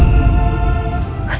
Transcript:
ya allah sebaiknya aku bersih